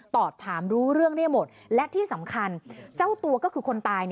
ตอบถามรู้เรื่องได้หมดและที่สำคัญเจ้าตัวก็คือคนตาย